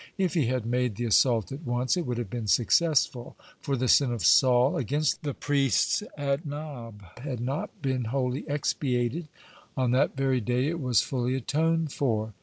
If he had made the assault at once, it would have been successful, for the sin of Saul against the priest at Nob had not yet been wholly expiated; on that very day it was fully atoned for.